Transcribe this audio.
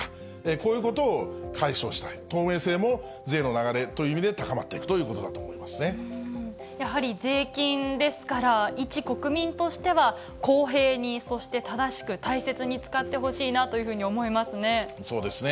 こういうことを解消したい、透明性も税の流れという意味で高まっていくということだと思いまやはり税金ですから、いち国民としては公平に、そして正しく、大切に使ってほしいなとそうですね。